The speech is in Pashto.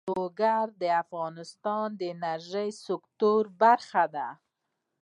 لوگر د افغانستان د انرژۍ سکتور برخه ده.